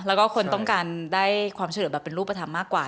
แล้วก็คนต้องการได้ความช่วยเหลือแบบเป็นรูปธรรมมากกว่า